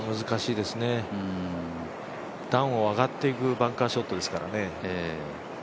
難しいですね、段を上がっていくバンカーショットですからね。